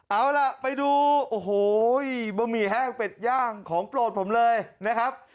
เอาล่ะไปดูโอ้โหบะหมี่แห้งเป็ดย่างของโปรดผมเลยนะครับ